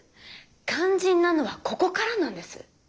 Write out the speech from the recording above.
肝心なのはここからなんです。